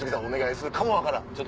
お願いするかも分からん。